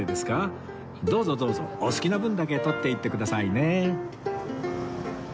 どうぞどうぞお好きな分だけ撮っていってくださいね